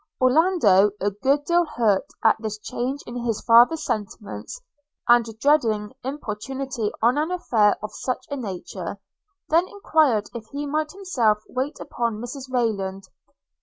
Orlando, a good deal hurt at this change in his father's sentiments, and dreading importunity on an affair of such a nature, then enquired if he might himself wait upon Mrs Rayland?